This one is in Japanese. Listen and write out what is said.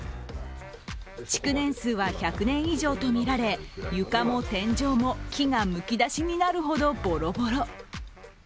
築年数は１００年以上とみられ床も天井も、木がむき出しになるほどボロボロ。